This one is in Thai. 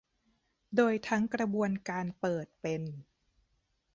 โดยทั้งกระบวนการเปิดเป็น